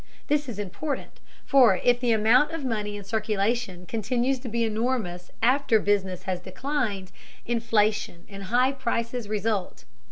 This is important, for if the amount of money in circulation continues to be enormous after business has declined, inflation and high prices result.